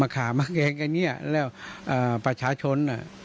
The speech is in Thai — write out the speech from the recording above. กล่าวมารุนแรงต้องคายต่อกัประชาชน